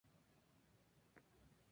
Lista de ganadores por año.